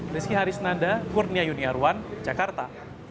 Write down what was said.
rizky harisnanda kurnia yuniarwan jakarta